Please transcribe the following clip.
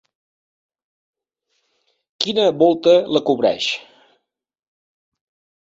Quina volta la cobreix?